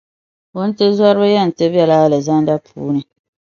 Wuntizɔriba yɛn ti bela Alizanda puuni.